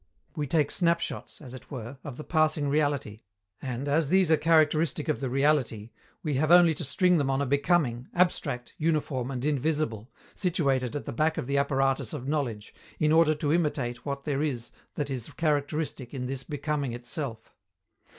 We take snapshots, as it were, of the passing reality, and, as these are characteristic of the reality, we have only to string them on a becoming, abstract, uniform and invisible, situated at the back of the apparatus of knowledge, in order to imitate what there is that is characteristic in this becoming itself.